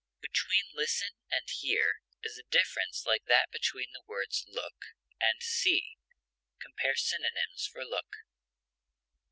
Between listen and hear is a difference like that between the words look and see. (Compare synonyms for LOOK.)